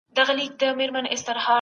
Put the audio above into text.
امنیتي ځواکونو د خلګو ساتنه کوله.